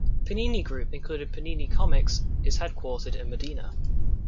Panini Group, including Panini Comics, is headquartered in Modena.